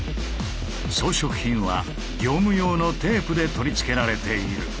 装飾品は業務用のテープで取り付けられている。